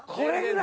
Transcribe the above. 何？